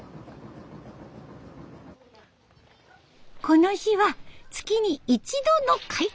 この日は月に一度の開館日。